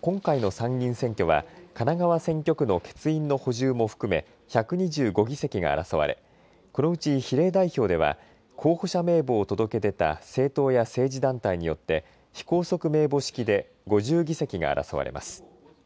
今回の参議院選挙は神奈川選挙区の欠員の補充も含め１２５議席が争われ、このうち比例代表では候補者名簿を届け出た政党や政治団体によって非拘束名簿式で５０議席が争われます。